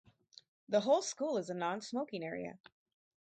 The whole school is a non-smoking area.